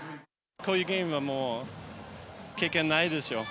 こういうゲームはもう、経験ないですよ。